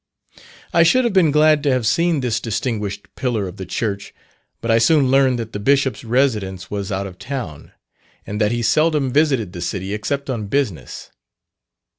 I should have been glad to have seen this distinguished pillar of the Church, but I soon learned that the Bishop's residence was out of town, and that he seldom visited the city except on business.